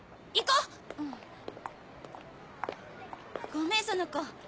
ごめん園子。